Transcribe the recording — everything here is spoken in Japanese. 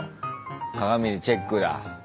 鏡でチェックだ。